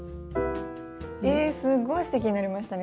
えっすごいステキになりましたね